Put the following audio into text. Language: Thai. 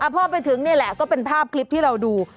พอไปถึงนี่แหละก็เป็นภาพคลิปที่เราดู